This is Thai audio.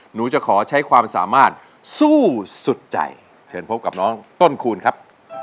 หนูจะขอใช้ความสามารถสู้สุดใจเชิญพบกับน้องต้นคูณครับ